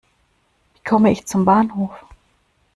Wie komme ich zum Bahnhof?